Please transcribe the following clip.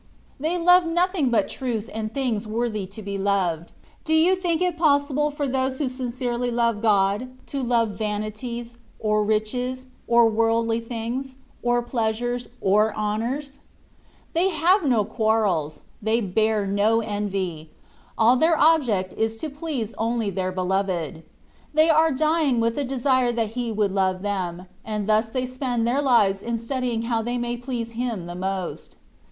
They love nothing but truth and things worthy to be loved. Do you think it possible for those who sincerely love God, to love vanities, or riches, or worldly things, or pleasures, or honours ? They have no quarrels ; they bear no envy — all their object is to please only their Beloved : they are dying with the desire that He would love them, and thus they spend their hves in studying how they may please him most.